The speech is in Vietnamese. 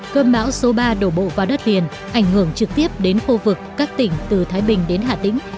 cơn bão số ba đổ bộ vào đất liền ảnh hưởng trực tiếp đến khu vực các tỉnh từ thái bình đến hà tĩnh